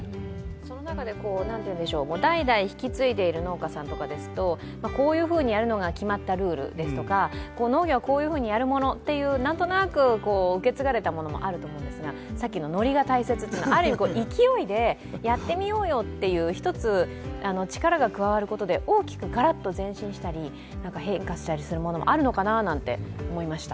その中で代々引き継いでいる農家さんとかですと、こういうふうにやるのが決まったルールですとか農業はこういうふうにやるものという何となく受け継がれたものもあると思うんですがさっきのノリが大切っていうのは、ある意味、勢いでやってみようよっていう一つ、力が加わることで、大きくガラッと前進したり変化したりするものもあるのかななんて思いました。